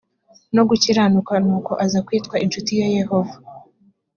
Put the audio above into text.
no gukiranuka nuko aza kwitwa incuti ya yehova